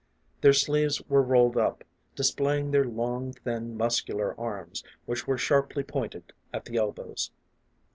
Their sleeves were rolled up, displaying their long, thin, muscular arms, which were sharply pointed at the elbows.